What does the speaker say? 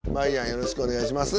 よろしくお願いします。